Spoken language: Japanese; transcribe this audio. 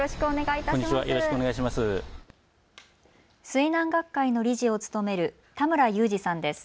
水難学会の理事を務める田村祐司さんです。